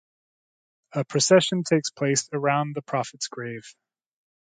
A procession takes place around the prophet's grave.